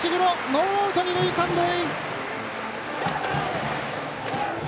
ノーアウト、二塁三塁。